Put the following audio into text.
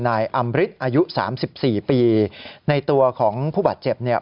ต์มออำริทอายุ๓๔ปีในตัวของผู้บาดเจ็บเนี่ย